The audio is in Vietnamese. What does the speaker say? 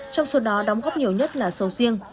trong số đó đóng góp nhiều nhất là sầu riêng